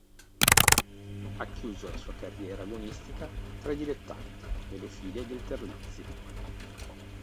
Ha chiuso la sua carriera agonistica tra i Dilettanti, nelle file del Terlizzi.